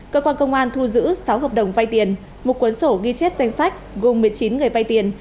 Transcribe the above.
cơ quan công an thu giữ sáu hợp đồng vay tiền một cuốn sổ ghi chép danh sách gồm một mươi chín người vay tiền